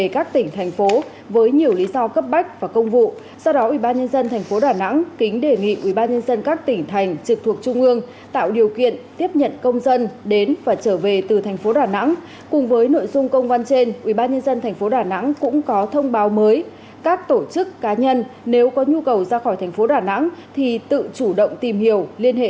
các tỉnh thành phố trực thuộc trung ương đề nghị tạo điều kiện cho người dân đang cư trú tại các khu vực không thuộc diện phong tỏa